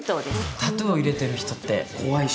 タトゥーを入れている人って怖いし。